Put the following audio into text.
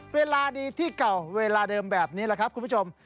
เวลาดีที่เก่าเวลาเดิมแบบนี้แหละครับคุณผู้ชม